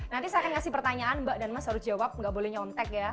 nanti saya akan kasih pertanyaan mbak dan mas harus jawab nggak boleh nyontek ya